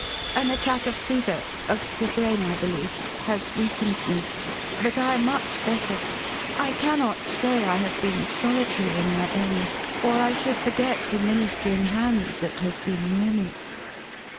An attack of fever— of the brain, I believe — has weakened me, but I am much better. I can not say I have been solitary, in my illness, or I should forget the ministering hand that has been near me."